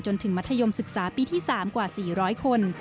จนถึงมัธยมศึกษาปีที่๓กว่า๔๐๐คน